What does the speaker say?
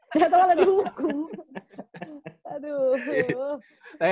ternyata malah dihukum aduh